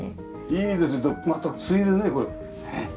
いいですまたついでねこれ。